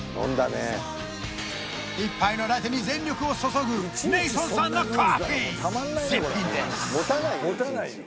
１杯のラテに全力を注ぐネイソンさんのコーヒー絶品です